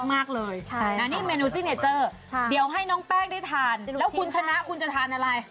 มากเลยอันนี้เมนูซิกเนเจอร์เดี๋ยวให้น้องแป้งได้ทานแล้วคุณชนะคุณจะทานอะไร